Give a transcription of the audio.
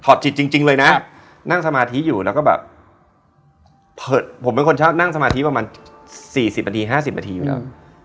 ถอดจิตจริงจริงเลยน่ะนั่งสมาธิอยู่แล้วก็แบบผมเป็นคนชอบนั่งสมาธิประมาณสี่สิบประทีห้าสิบประทีอยู่แล้ว